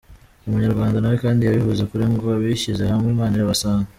Umunyarwanda nawe kandi yabivuze ukuri ngo “abishyize hamwe Imana irabasanga”.